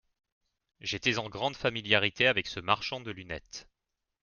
J'étais en grande familiarité avec ce marchand de lunettes.